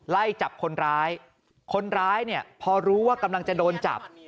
ไล่จับคนร้ายคนร้ายเนี่ยพอรู้ว่ากำลังจะโดนจับ